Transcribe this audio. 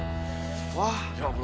yaudah lah saya ke sana